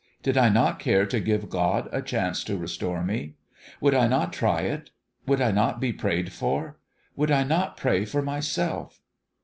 ... Did I not care to give God a chance to restore me ? Would I not try it ? Would I not be prayed for ? Would I not pray for myself